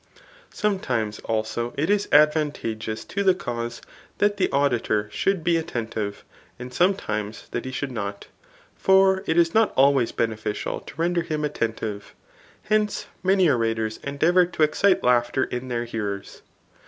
Sometimes, also, it is advantageous to the caus^ that the auditor shotdd be attentive^ and sometimes that he should not ; for it is not always beneficial to render him attea*' tive. Hence, many orators endeavour to excite laughter in their hearers.